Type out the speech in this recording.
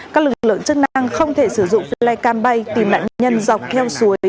các lực lượng chức năng không thể sử dụng flycam bay tìm nạn nhân dọc theo suối